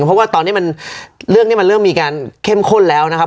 เพราะว่าตอนนี้มันเรื่องนี้มันเริ่มมีการเข้มข้นแล้วนะครับ